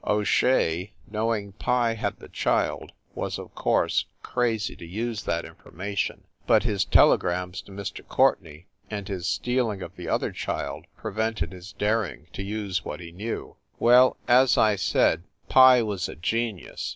O Shea, knowing Pye had the child, was, of course, crazy to use that information, but his telegrams to Mr. Courtenay, and his stealing of the other child pre yented his daring to use what he knew. THE NORCROSS APARTMENTS 283 Well, as I said, Pye was a genius.